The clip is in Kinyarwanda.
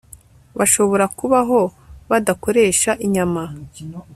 bashobora kubaho badakoresha inyama